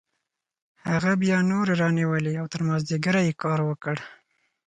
هغه بیا نورې رانیولې او تر مازدیګره یې کار وکړ